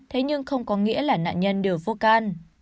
thế nhưng không có nghĩa là nạn nhân đều vô can